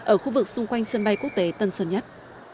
ở khu vực xung quanh sân bay quốc tế tân sơn nhất